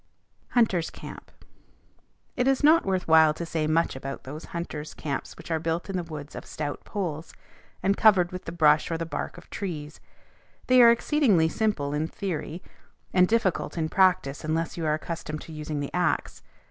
HUNTERS' CAMP. It is not worth while to say much about those hunters' camps which are built in the woods of stout poles, and covered with brush or the bark of trees: they are exceedingly simple in theory, and difficult in practice unless you are accustomed to using the axe.